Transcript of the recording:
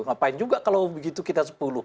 ngapain juga kalau begitu kita sepuluh